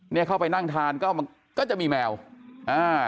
เนี่ยเข้าไปนั่งทานก็มันก็จะมีแมวอ่า